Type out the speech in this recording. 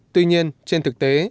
tuy nhiên trên thực tế